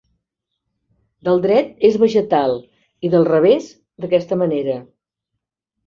Del dret és vegetal i del revés, d'aquesta manera.